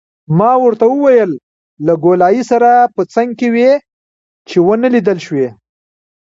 ما ورته وویل: له ګولایي سره په څنګ کې وې، چې ونه لیدل شوې.